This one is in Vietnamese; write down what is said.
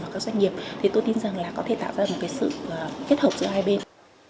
và các doanh nghiệp thì tôi tin rằng là có thể tạo ra một cái sự kết hợp giữa hai bên